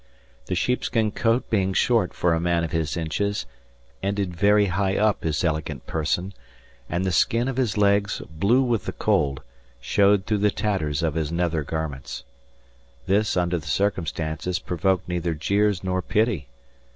The sheepskin coat being short for a man of his inches, ended very high up his elegant person, and the skin of his legs, blue with the cold, showed through the tatters of his nether garments. This, under the circumstances, provoked neither jeers nor pity.